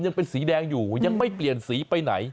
ยังเป็นสีแดงอยู่ยังไม่เปลี่ยนสีไปไหน